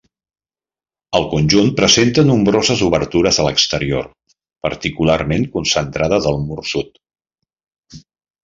El conjunt presenta nombroses obertures a l'exterior, particularment concentrades al mur sud.